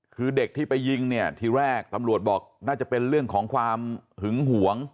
คือเด็กที่ไปยิงเนี่ยทีแรกตำรวจบอกน่าจะเป็นเรื่องของความหึงหวง